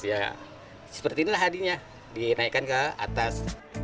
ya seperti inilah hadinya dinaikkan ke atas